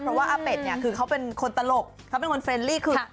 เพราะว่าอาเป็ดเนี่ยคือเขาเป็นคนตลกเขาเป็นคนเฟรนลี่คือ